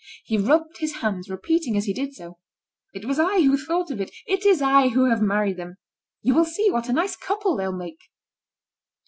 He rubbed his hands, repeating as he did so: "It was I who thought of it. It is I who have married them. You will see what a nice couple they'll make!"